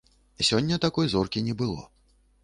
Сёння такой зоркі не было.